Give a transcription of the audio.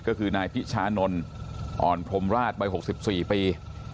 ก็คือนายพิชานนท์อ่อนพรมราชใบหกสิบสี่ปี